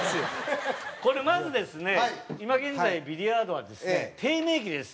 これまずですね今現在ビリヤードはですね低迷期です。